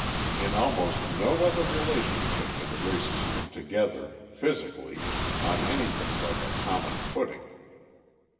In almost no other relationship do the races come together, physically, on anything like a common footing.